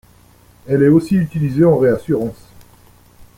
Elle est aussi utilisée en réassurance.